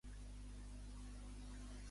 I Rabell, què considera?